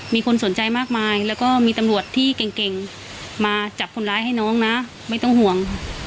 มีคนสนใจมากมายแล้วก็มีตำรวจที่เก่งมาจับคนร้ายให้น้องนะไม่ต้องห่วงค่ะ